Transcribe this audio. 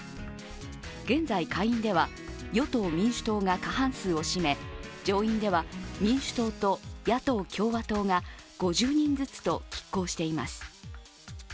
現在、下院では、与党・民主党が過半数を占め上院では民主党と野党・共和党が５０人ずつと拮抗しています。